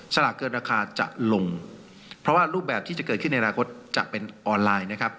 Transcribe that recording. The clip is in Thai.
สลากเกินราคาจะลงเพราะว่ารูปแบบที่จะเกิดขึ้นในอนาคตจะเป็นออนไลน์นะครับ